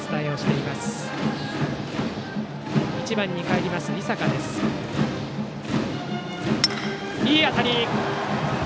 いい当たり。